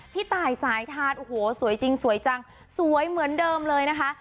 พี่ตายสายทานโอ้โหสวยจริงสวยจังสวยเหมือนเดิมเลยนะคะ